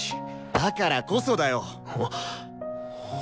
だからこそだよ！